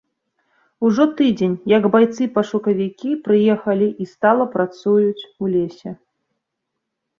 Ужо тыдзень, як байцы-пашукавікі прыехалі і стала працуюць у лесе.